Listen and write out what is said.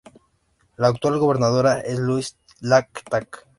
La actual gobernadora es Louise Lake-Tack.